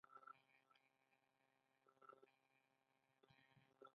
ټولنیز انتشار ونلري.